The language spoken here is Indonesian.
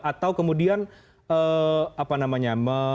atau kemudian apa namanya